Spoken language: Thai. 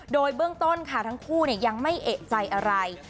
โดยเบื้องต้นค่ะทั้งคู่ยังไม่เอกใจอะไร